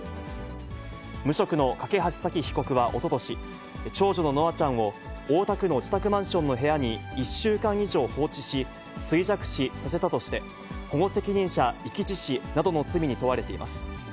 無職の梯沙希被告はおととし、長女の稀華ちゃんを大田区の自宅マンションに１週間以上放置し、衰弱死させたとして、保護責任者遺棄致死などの罪に問われています。